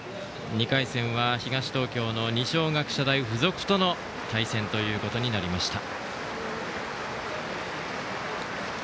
２回戦は東東京の二松学舎大付属との対戦ということになりました。